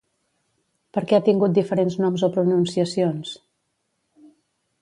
Per què ha tingut diferents noms o pronunciacions?